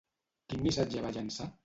Quin missatge va llançar?